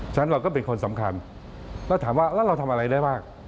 ฉะนั้นเราก็เป็นคนสำคัญแล้วถามว่าแล้วเราทำอะไรได้บ้าง